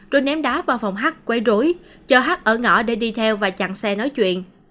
rồi ném đá vào phòng h quay rối chờ h ở ngõ để đi theo và chặn xe nói chuyện